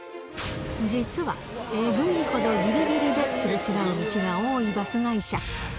実は、えぐいほどぎりぎりですれ違う道が多いバス会社。